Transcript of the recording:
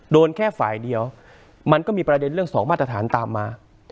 โดนแค่ฝ่ายเดียวมันก็มีประเด็นเรื่องสองมาตรฐานตามมา